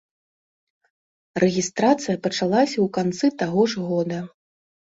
Рэгістрацыя пачалася ў канцы таго ж года.